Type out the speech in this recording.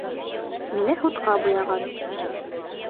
Мине һутҡа буяған.